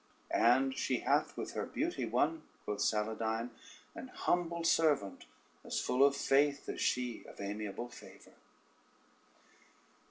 "And she hath with her beauty won," quoth Saladyne, "an humble servant, as full of faith as she of amiable favor."